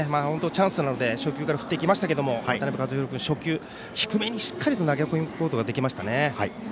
チャンスなので初球から振ってきましたけども渡辺和大君、初球を低めにしっかり投げ抜くことができましたね。